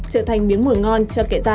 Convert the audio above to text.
nếu không trang bị những kiến thức cảnh giác